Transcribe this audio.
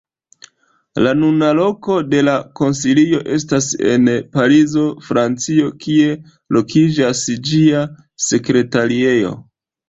La nuna loko de la Konsilio estas en Parizo, Francio, kie lokiĝas ĝia Sekretariejo.